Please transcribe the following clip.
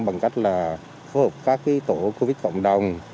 bằng cách là phối hợp các tổ covid cộng đồng